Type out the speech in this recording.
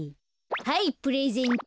はいプレゼント。